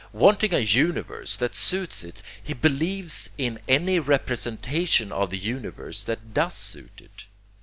Wanting a universe that suits it, he believes in any representation of the universe that does suit it.